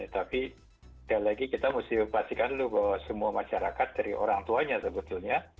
tapi sekali lagi kita mesti pastikan dulu bahwa semua masyarakat dari orang tuanya sebetulnya